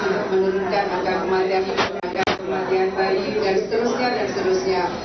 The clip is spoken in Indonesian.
untuk menurunkan angka kematian bayi dan seterusnya dan seterusnya